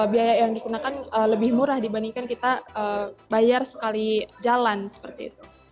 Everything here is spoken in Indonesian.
biaya yang digunakan lebih murah dibandingkan kita bayar sekali jalan seperti itu